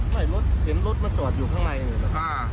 ไม่เห็นรถมันจอดอยู่ข้างในเหมือนกัน